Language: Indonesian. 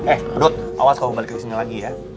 eh dud awas kalau mau balik ke sini lagi ya